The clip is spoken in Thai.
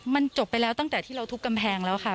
มันจบไปแล้วตั้งแต่ที่เราทุบกำแพงแล้วค่ะ